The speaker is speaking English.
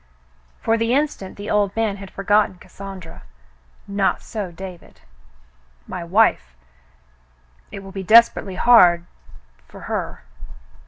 '^" For the instant the old man had for gotten Cassandra. Not so David. "My wife. It will be desperately hard — for her."